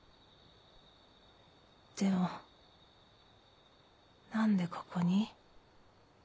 でも何でここに？